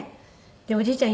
おじいちゃん